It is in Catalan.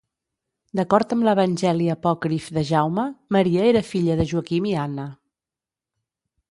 D'acord amb l'evangeli apòcrif de Jaume, Maria era filla de Joaquim i Anna.